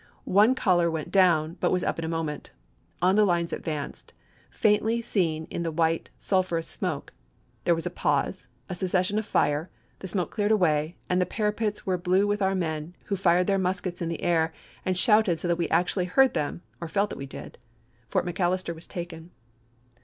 One color went down, but was up in a moment. On the lines advanced, faintly seen in the white, sulphurous smoke ; there was a pause, a cessation of fire ; the smoke cleared away, and the parapets were blue with our men, who fired their muskets in the air, a^ 7 7 Sherman, and shouted so that we actually heard them, or felt "Memoirs." that we did. Fort McAllister was taken."